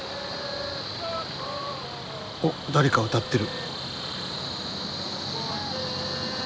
おっ誰か歌ってる。